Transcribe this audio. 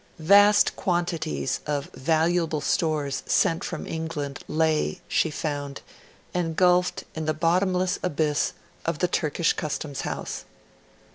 Vast quantities of valuable stores sent from England lay, she found, engulfed in the bottomless abyss of the Turkish Customs House.